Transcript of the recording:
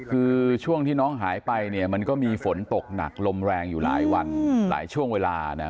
คือช่วงที่น้องหายไปเนี่ยมันก็มีฝนตกหนักลมแรงอยู่หลายวันหลายช่วงเวลานะ